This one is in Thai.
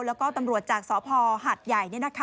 แล้วก็ตำรวจจากสภหัดใหญ่